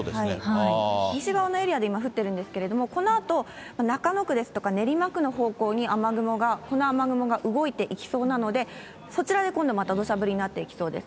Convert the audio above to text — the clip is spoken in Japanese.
西側のエリアで今、降っているんですけれども、このあと中野区ですとか、練馬区の方向に雨雲が、この雨雲が動いていきそうなので、そちらで今度またどしゃ降りになっていきそうです。